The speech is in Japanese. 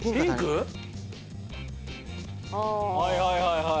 はいはいはいはい。